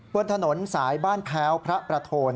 บนถนนสายบ้านแพ้วพระประโทน